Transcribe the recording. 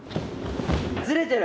ずれてる。